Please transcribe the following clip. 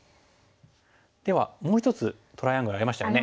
ではもう１つトライアングルありましたよね。